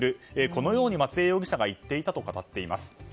このように松江容疑者が言っていたと語っています。